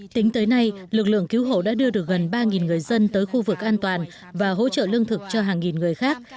tính tới nay lực lượng cứu hộ đã đưa được gần ba người dân tới khu vực an toàn và hỗ trợ lương thực cho hàng nghìn người khác